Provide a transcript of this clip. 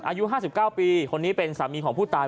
อายุ๕๙ปีคนนี้เป็นสามีของผู้ตาย